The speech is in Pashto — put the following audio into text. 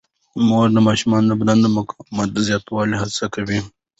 مور د ماشومانو د بدن د مقاومت زیاتولو هڅه کوي.